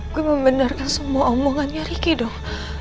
gue membenarkan semua omongannya riki dong